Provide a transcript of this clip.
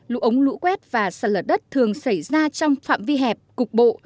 lũ ống lũ quét và sạt lở đất thường xảy ra trong phạm vi hẹp cục bộ